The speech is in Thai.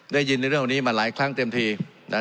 ได้ยินในเรื่องนี้มาหลายครั้งเต็มทีนะ